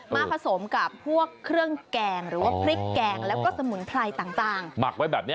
ผสมกับพวกเครื่องแกงหรือว่าพริกแกงแล้วก็สมุนไพรต่างหมักไว้แบบนี้